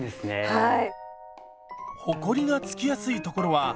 はい。